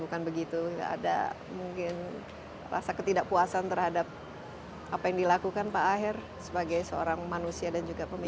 bukan begitu ada mungkin rasa ketidakpuasan terhadap apa yang dilakukan pak aher sebagai seorang manusia dan juga pemimpin